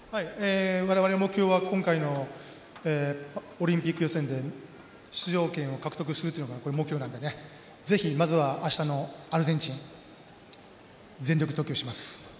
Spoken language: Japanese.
われわれの目標は今回のオリンピック予選で出場権を獲得するというのが目標なのでぜひ、まずは明日のアルゼンチン全力投球します。